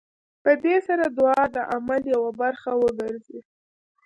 په دې سره دعا د عمل يوه برخه وګرځي.